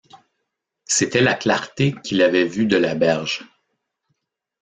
C’était la clarté qu’il avait vue de la berge.